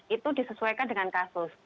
itu disesuaikan dengan kasus